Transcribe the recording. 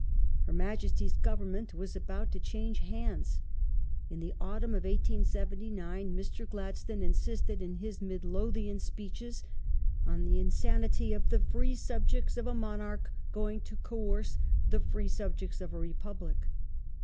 Her Majesty's Government was about to change hands. In the autumn of 1879 Mr. Gladstone insisted in his Midlothian speeches on the insanity of " the free subjects of a Monarch going to coerce the free subjects of a Republic